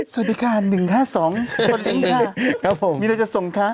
สวัสดีค่ะหนึ่งฮสองครับผมมีอะไรจะส่งคะ